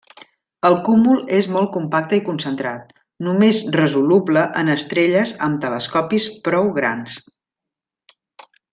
El cúmul és molt compacte i concentrat; només resoluble en estrelles amb telescopis prou grans.